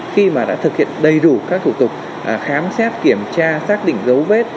khi mà đã thực hiện đầy đủ các thủ tục khám xét kiểm tra xác định dấu vết